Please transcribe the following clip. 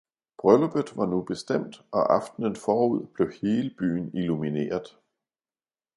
Brylluppet var nu bestemt, og aftnen forud blev hele byen illumineret.